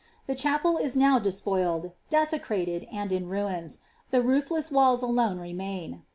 The chapel is now de ipoiled, desecrated, and in ruins, the roofless walls alone remaining.